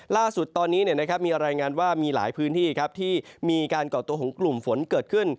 ล่าสุดตอนนี้มีรายงานว่ามีหลายพื้นที่ที่มีการก่อตัวของกลุ่มฝนเกิดขึ้น